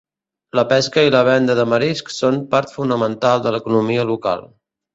Les pesca i la venda de mariscs són part fonamental de l'economia local.